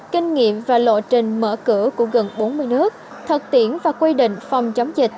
kinh nghiệm và lộ trình mở cửa của gần bốn mươi nước thực tiễn và quy định phòng chống dịch